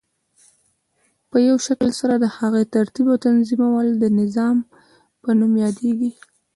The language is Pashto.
په یوه شکل سره د هغی ترتیب او تنظیمول د نظام په نوم یادیږی.